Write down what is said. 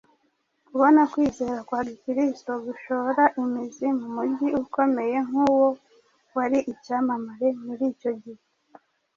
Kubona kwizera kwa Gikristo gushora imizi mu mujyi ukomeye nk’uwo wari icyamamare muri icyo gihe,